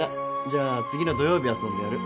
じゃあ次の土曜日遊んでやる